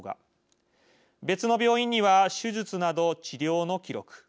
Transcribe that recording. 別の病院には手術など治療の記録。